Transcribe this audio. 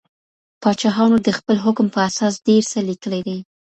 پاچاهانو د خپل حکم په اساس ډیر څه لیکلي دي.